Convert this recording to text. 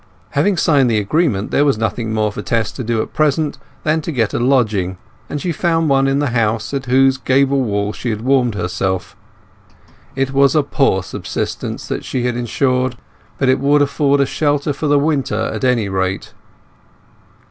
Having signed the agreement, there was nothing more for Tess to do at present than to get a lodging, and she found one in the house at whose gable wall she had warmed herself. It was a poor subsistence that she had ensured, but it would afford a shelter for the winter at any rate.